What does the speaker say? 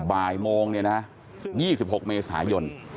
บ่ายโมงเนี่ยนะ๒๖เมษายน